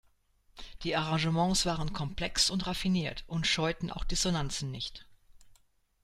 Die Arrangements waren komplex und raffiniert und scheuten auch Dissonanzen nicht.